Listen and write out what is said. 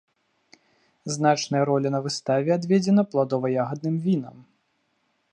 Значная роля на выставе адведзена пладова-ягадным вінам!